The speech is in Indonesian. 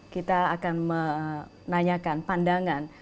kita akan menanyakan pandangan